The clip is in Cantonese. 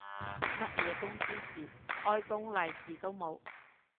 乜嘢公司事，開工利是都冇